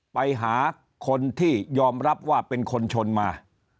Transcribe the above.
ไปหาคนที่ยอมรับว่าเป็นคนชนมา